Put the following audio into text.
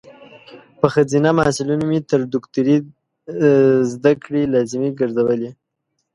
په خځینه محصلینو مې تر دوکتوری ذدکړي لازمي ګرزولي